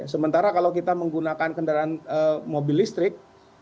sementara kalau kita menggunakan kendaraan mobil listrik